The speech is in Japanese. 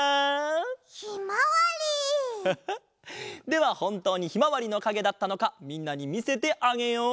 ではほんとうにひまわりのかげだったのかみんなにみせてあげよう！